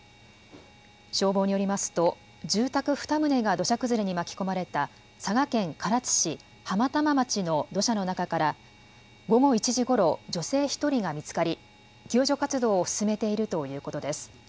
消防によりますと住宅２棟が土砂崩れに巻き込まれた佐賀県唐津市浜玉町の土砂の中から午後１時ごろ女性１人が見つかり救助活動を進めているということです。